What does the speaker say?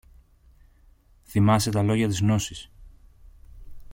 Θυμάσαι τα λόγια της Γνώσης